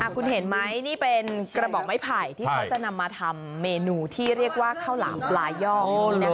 คุณเห็นไหมนี่เป็นกระบอกไม้ไผ่ที่เขาจะนำมาทำเมนูที่เรียกว่าข้าวหลามปลายอก